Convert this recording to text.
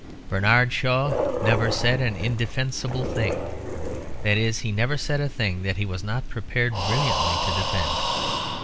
Bernard Shaw never said an indefensible thing; that is, he never said a thing that he was not prepared brilliantly to defend.